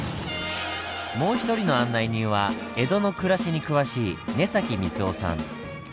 もう１人の案内人は江戸の暮らしに詳しい根崎光男さん。